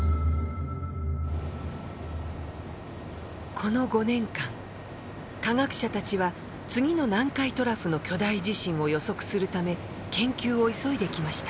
この５年間科学者たちは次の南海トラフの巨大地震を予測するため研究を急いできました。